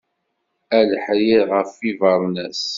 A leḥrir ɣef yibernas.